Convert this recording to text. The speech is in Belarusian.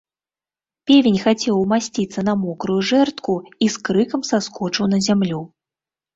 Певень хацеў умасціцца на мокрую жэрдку і з крыкам саскочыў на зямлю.